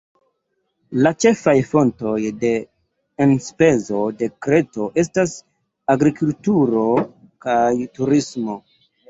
La ĉefaj fontoj de enspezo de Kreto estas agrikulturo kaj turismo.